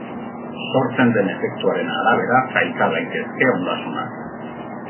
Sortzen den efektuaren arabera sailka daitezke ondasunak.